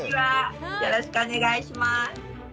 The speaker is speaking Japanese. よろしくお願いします。